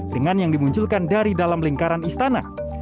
dengan yang dimunculkan dari dalam lingkaran istana